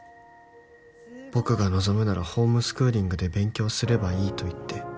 「僕が望むならホームスクーリングで勉強すればいいと言って」